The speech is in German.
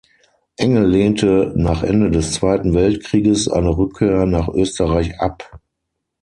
Engel lehnte nach Ende des Zweiten Weltkrieges eine Rückkehr nach Österreich ab.